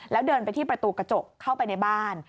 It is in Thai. แล้วเดินไปที่ประตูกระจกเข้าไปในบ้าน